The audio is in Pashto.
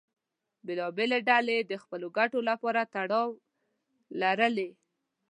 بېلابېلې ډلې د خپلو ګټو لپاره تړاو لرلې.